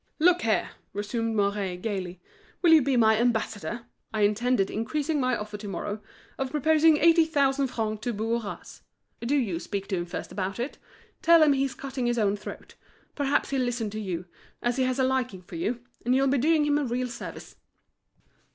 "Look here!" resumed Mouret, gaily, "will you be my ambassador? I intended increasing my offer to morrow—of proposing eighty thousand francs to Bourras. Do you speak to him first about it. Tell him he's cutting his own throat. Perhaps he'll listen to you, as he has a liking for you, and you'll be doing him a real service."